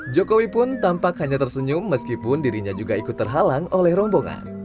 jokowi pun tampak hanya tersenyum meskipun dirinya juga ikut terhalang oleh rombongan